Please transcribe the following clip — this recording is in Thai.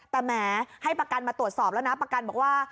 แต่แหมให้ประกันมาตรวจสอบแล้วนะประกันบอกว่า